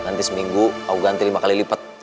nanti seminggu mau ganti lima kali lipat